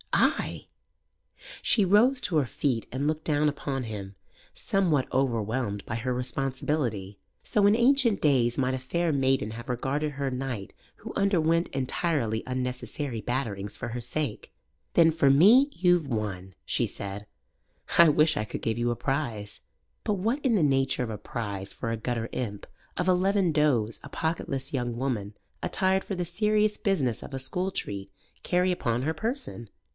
"Ay!" She rose to her feet and looked down upon him, somewhat overwhelmed by her responsibility. So in ancient days might a fair maiden have regarded her knight who underwent entirely unnecessary batterings for her sake. "Then for me you've won," she said. "I wish I could give you a prize." But what in the nature of a prize for a gutter imp of eleven does a pocketless young woman attired for the serious business of a school treat carry upon her person?